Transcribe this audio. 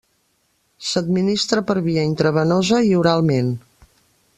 S'administra per via intravenosa i oralment.